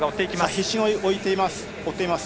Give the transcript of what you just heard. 必死に追っています。